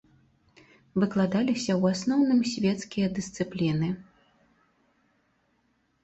Выкладаліся ў асноўным свецкія дысцыпліны.